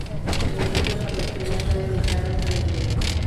La iglesia parroquial está dedicada a San Miguel.